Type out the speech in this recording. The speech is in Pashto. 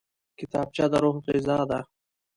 کتابچه د روح غذا ده